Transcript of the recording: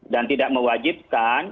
dan tidak mewajibkan